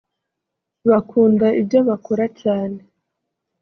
bakunda ibyo bakora cyane